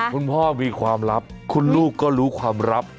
คุณพ่อมีความลับคุณลูกก็รู้ความลับ